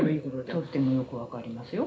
とってもよく分かりますよ